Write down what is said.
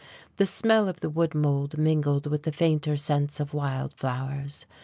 The smell of the wood mould mingled with the fainter scents of wild flowers.